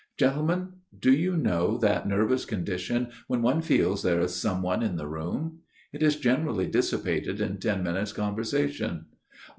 " Gentlemen ; do you know that nervous condition when one feels there is some one in the room ? It is generally dissipated in ten minutes' conversation.